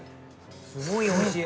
すごい美味しい。